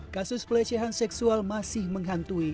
kasus pelecehan seksual masih menghantui